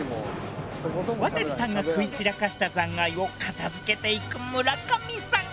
亘さんが食い散らかした残骸を片づけていく村上さん。